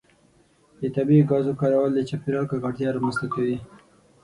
د طبیعي ګازو کارول د چاپیریال ککړتیا رامنځته کوي.